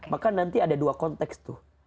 maka nanti ada dua konteks tuh